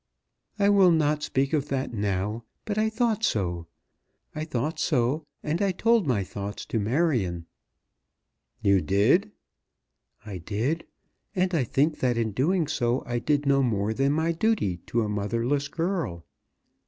"I will not speak of that now, but I thought so. I thought so, and I told my thoughts to Marion." "You did?" "I did; and I think that in doing so, I did no more than my duty to a motherless girl.